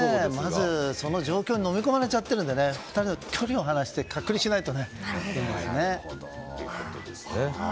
まず、その状況にのみ込まれちゃってるので例えば、距離を離して隔離しないといけませんね。